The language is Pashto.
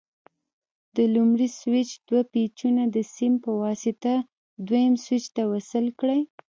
د لومړني سویچ دوه پېچونه د سیم په واسطه دویم سویچ ته وصل کړئ.